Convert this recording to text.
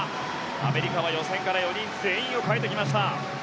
アメリカは予選から４人全員を代えてきました。